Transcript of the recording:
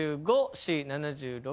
Ｃ７６。